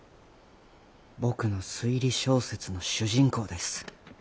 僕の推理小説の主人公です。